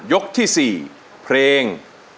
ยกที่สี่เพลง